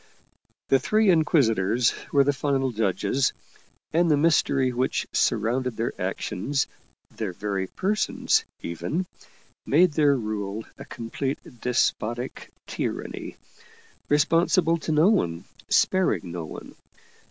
The Three Inquisitors were the final judges, and the mystery which surrounded their actions, their very persons even, made their rule a complete despotic tyranny, responsible to no one, sparing no one.